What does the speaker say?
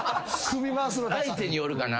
相手によるかな。